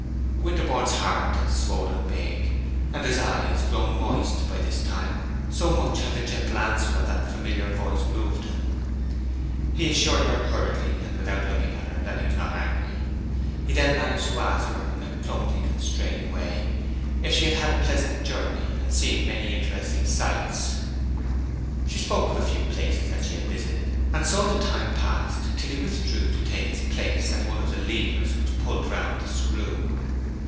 Winterborne's heart had swollen big, and his eyes grown moist by this time, so much had the gentle answer of that familiar voice moved him. He assured her hurriedly, and without looking at her, that he was not angry. He then managed to ask her, in a clumsy, constrained way, if she had had a pleasant journey, and seen many interesting sights. She spoke of a few places that she had visited, and so the time passed till he withdrew to take his place at one of the levers which pulled round the screw.